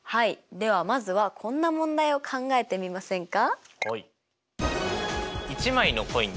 ではまずはこんな問題を考えてみませんか？